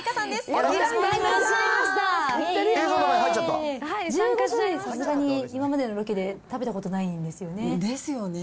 さすがに今までのロケで食べたことないんですよね。